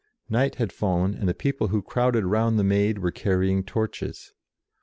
Night had fallen, and the people who crowded round the Maid were carry ing torches.